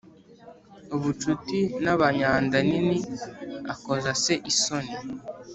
Ubucuti n abanyandanini akoza se isoni